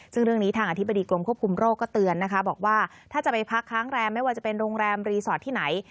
ซึ่งเรื่องนี้ทางอธิบดีกรมควบคุมโรคก็เตือนนะคะบอกว่าถ้าจะไปพักค้างแรมไม่ว่าจะเป็นโรงแรมรีสอร์ทที่ไหน